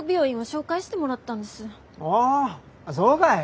ああそうかい。